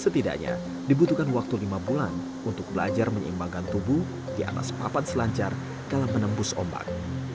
setidaknya dibutuhkan waktu lima bulan untuk belajar menyeimbangkan tubuh di atas papan selancar dalam menembus ombak